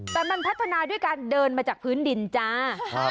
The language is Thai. แต่มันพัฒนาด้วยการเดินมาจากพื้นดินจ้า